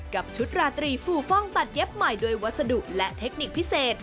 กับชุดราตรีฟูฟ่องตัดเย็บใหม่ด้วยวัสดุและเทคนิคพิเศษ